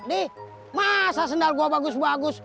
nih masa sendal gua bagus bagus